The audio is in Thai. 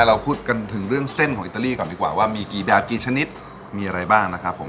เราพูดกันถึงเรื่องเส้นของอิตาลีก่อนดีกว่าว่ามีกี่แบบกี่ชนิดมีอะไรบ้างนะครับผม